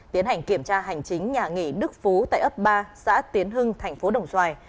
tiến hành kiểm tra hành chính nhà nghỉ đức phú tại ấp ba xã tiến hưng tp đồng xoài